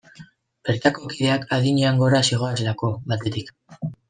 Bertako kideak adinean gora zihoazelako, batetik.